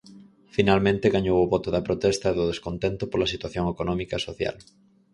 Finalmente gañou o voto da protesta e do descontento pola situación económica e social.